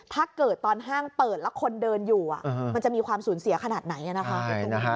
ถ้าเกิดตอนห้างเปิดแล้วคนเดินอยู่มันจะมีความสูญเสียขนาดไหนนะคะ